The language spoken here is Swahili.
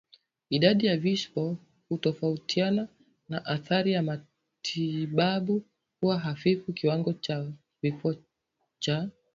Idadi ya vifo hutofautiana na athari ya matibabu huwa hafifu Kiwango cha vifo cha